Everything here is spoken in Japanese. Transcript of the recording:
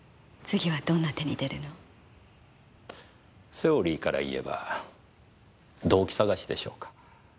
セオリーからいえば動機探しでしょうか。